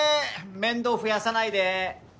面倒増やさないで！